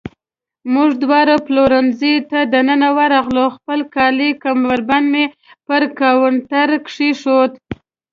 موږ دواړه پلورنځۍ ته دننه ورغلو، خپل خالي کمربند مې پر کاونټر کېښود.